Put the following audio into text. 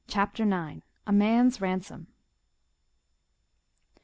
CHAPTER IX. A Man's Ransom.